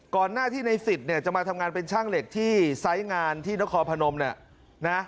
หน้าที่ในสิทธิ์เนี่ยจะมาทำงานเป็นช่างเหล็กที่ไซส์งานที่นครพนมเนี่ยนะ